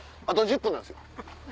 あと１０分なんすよ。